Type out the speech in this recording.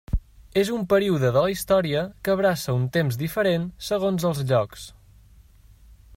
És un període de la història que abraça un temps diferent segons els llocs.